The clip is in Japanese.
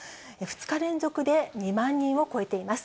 ２日連続で２万人を超えています。